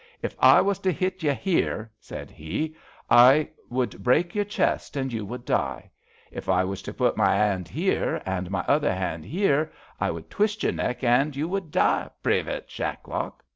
*^ If I was to hit you here," said he, I would break your chest, an' you would die. If I was to put my 'and here, an' my other 'and here, I would twis' your neck, an' you would die, Privite Shacklock.